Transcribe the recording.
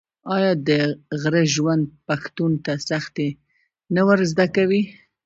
آیا د غره ژوند پښتون ته سختي نه ور زده کوي؟